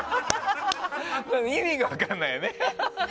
意味が分からないよね。